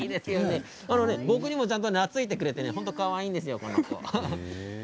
僕にもちゃんと懐いてくれていてかわいいですよ。